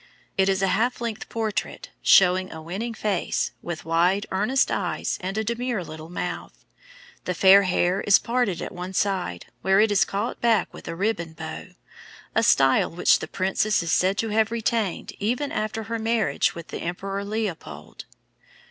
It is a half length portrait, showing a winning face, with wide, earnest eyes, and a demure little mouth. The fair hair is parted at one side, where it is caught back with a ribbon bow, a style which the princess is said to have retained even after her marriage with the Emperor Leopold.